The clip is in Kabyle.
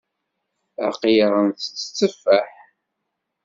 Aql-aɣ ntett tteffaḥ.